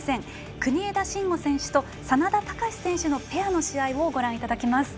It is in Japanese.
国枝慎吾選手と眞田卓選手のペアの試合をご覧いただきます。